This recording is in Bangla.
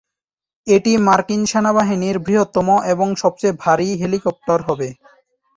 এটি মার্কিন সেনাবাহিনীর বৃহত্তম এবং সবচেয়ে ভারী হেলিকপ্টার হবে।